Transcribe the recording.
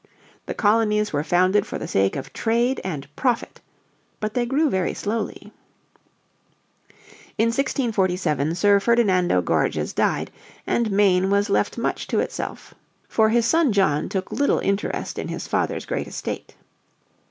The colonies were founded for the sake of trade and profit. But they grew very slowly. In 1647 Sir Ferdinando Gorges died, and Maine was left much to itself. For his son John took little interest in his father's great estate.